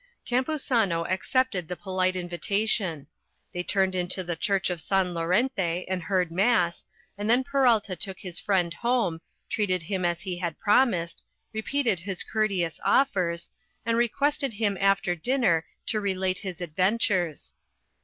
Campuzano accepted the polite invitation. They turned into the church of San Lorente and heard mass, and then Peralta took his friend home, treated him as he had promised, repeated his courteous offers, and requested him after dinner to relate his adventures.